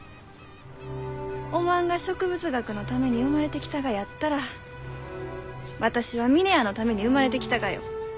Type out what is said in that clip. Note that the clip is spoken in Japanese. おまんが植物学のために生まれてきたがやったら私は峰屋のために生まれてきたがよ。